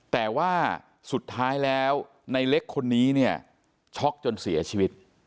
แต่ว่าสุดท้ายแล้วในเล็กคนนี้เนี่ยช็อกจนเสียชีวิต